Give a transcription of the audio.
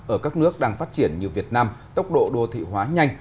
ở các nước đang phát triển như việt nam tốc độ đô thị hóa nhanh